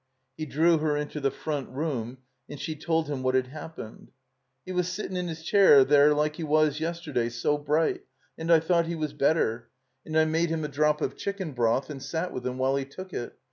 He drew her into the fnmt room, and she told him what had happened. "He was sittin' in his chair there like he was yesterday — so bright — and I thought he was better, and I made him a drop of chicken broth and sat with him while he took it.